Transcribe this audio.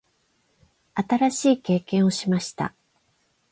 新しい経験をしました。